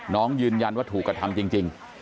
น้องยืนยันว่าถูกกระทำจริง